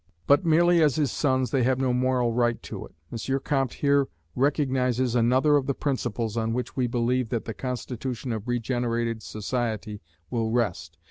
But, merely as his sons, they have no moral right to it. M. Comte here recognizes another of the principles, on which we believe that the constitution of regenerated society will rest.